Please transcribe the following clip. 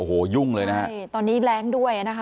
โอ้โหยุ่งเลยนะครับ